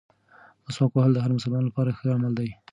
مسواک وهل د هر مسلمان لپاره ښه عمل دی.